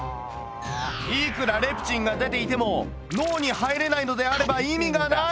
いくらレプチンが出ていても脳に入れないのであれば意味がない。